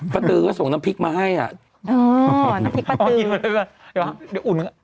ปะตือก็ส่งน้ำพริกมาให้น้ำพริกปะตือ